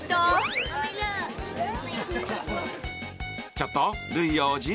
ちょっとルイ王子！